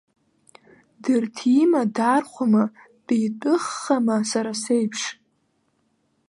Дырҭима, даархәама, дтәитәыххама сара сеиԥш?